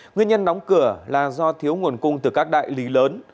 nguyên nhân đóng cửa là do thiếu nguồn cung từ các đại lý lớn